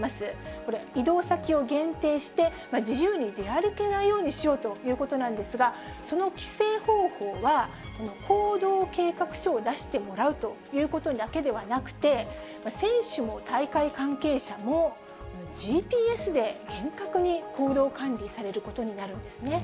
これ、移動先を限定して、自由に出歩けないようにしようということなんですが、その規制方法は、行動計画書を出してもらうこと、こういうことだけではなくて、選手も大会関係者も、ＧＰＳで厳格に行動管理されることになるんですね。